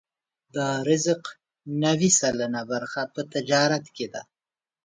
د رزق نوې سلنه برخه په تجارت کې ده.